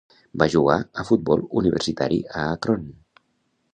Va jugar a futbol universitari a Akron.